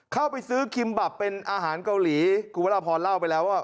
เข้าไปซื้อคิมบับเป็นอาหารเกาหลีคุณวรพรเล่าไปแล้วว่า